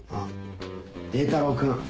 榮太郎君